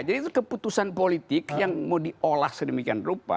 jadi itu keputusan politik yang mau diolah sedemikian rupa